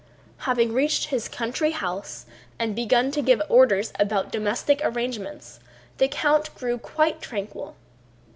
Having reached his country house and begun to give orders about domestic arrangements, the count grew quite tranquil.